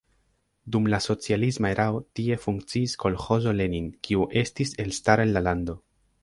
Dum la socialisma erao tie funkciis kolĥozo Lenin, kiu estis elstara en la lando.